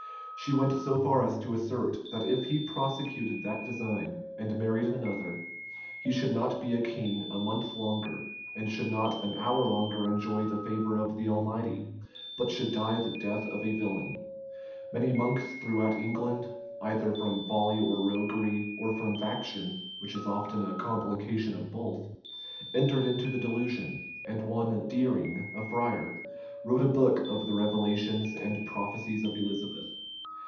She went so far as to assert, that if he prosecuted that design, and married another, he should not be a king a month longer, and should not an hour longer enjoy the favor of the Almighty, but should die the death of a villain. Many monks throughout England, either from folly or roguery, or from faction, which is often a complication of both, entered into the delusion; and one Deering, a friar, wrote a book of the revelations and prophecies of Elizabeth.